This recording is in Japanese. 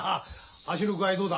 足の具合どうだ？